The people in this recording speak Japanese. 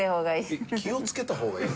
気をつけた方がいい。